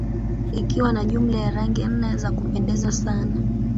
Ikiwa na jumla ya Rangi nne za kupendeza sana